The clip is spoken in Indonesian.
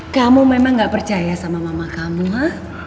kamu memang gak percaya sama mama kamu